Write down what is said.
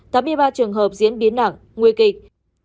tám mươi ba trường hợp diễn biến nặng nguy kịch